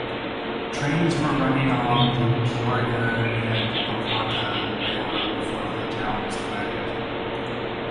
Trains were running along the "Peoria and Oquawka" Railroad before the town was platted.